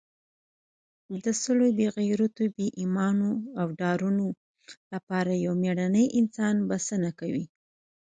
د سلو بې غیرتو، بې ایمانو او ډارنو لپاره یو مېړنی انسان بسنه کوي.